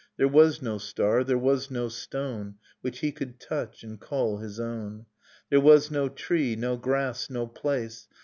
There was no star, there was no stone, Which he could touch and call his own ; There was no tree, no grass, no place.